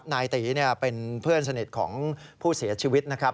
นายตีเป็นเพื่อนสนิทของผู้เสียชีวิตนะครับ